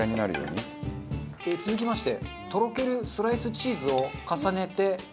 続きましてとろけるスライスチーズを重ねて３枚のせます。